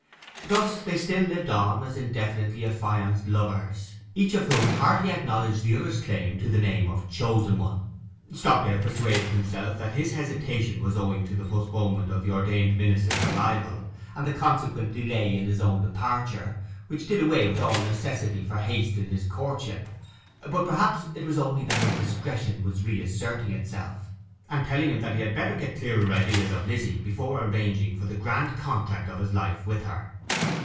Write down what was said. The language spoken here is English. Thus they still lived on as indefinitely affianced lovers, each of whom hardly acknowledged the other's claim to the name of chosen one. Stockdale persuaded himself that his hesitation was owing to the postponement of the ordained minister's arrival, and the consequent delay in his own departure, which did away with all necessity for haste in his courtship; but perhaps it was only that his discretion was reasserting itself, and telling him that he had better get clearer ideas of Lizzy before arranging for the grand contract of his life with her.